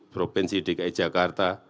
provinsi dki jakarta